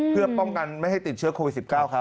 เพื่อป้องกันไม่ให้ติดเชื้อโควิด๑๙ครับ